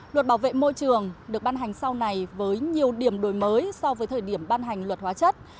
luật bảo vệ môi trường được ban hành sau này với nhiều điểm đổi mới so với thời điểm ban hành luật hóa chất